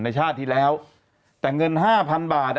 ในชาติที่แล้วแต่เงิน๕๐๐๐บาท